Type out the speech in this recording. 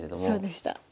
そうでした。